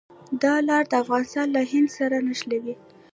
دا لار افغانستان له هند سره نښلوي.